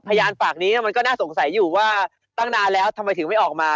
พยานปากนี้มันก็น่าสงสัยอยู่ว่าตั้งนานแล้วทำไมถึงไม่ออกมา